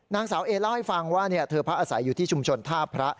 นางสาวเอเล่าให้ฟังว่าเธอพักอาศัยอยู่ที่ชุมชนท่าพระ